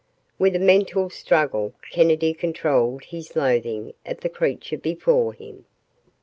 With a mental struggle, Kennedy controlled his loathing of the creature before him.